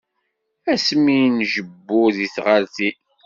Ass mi njebbu di tɣaltin.